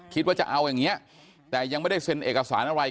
คิดว่าจะเอาอย่างนี้แต่ยังไม่ได้เซ็นเอกสารอะไร